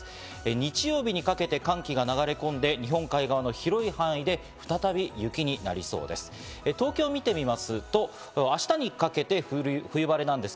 日曜日にかけて寒気が流れ込んで日本海側の広い範囲で再び雪になりそうです。